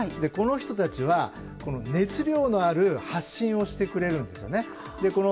この人たちは熱量のある発信をしてくれるんですよね。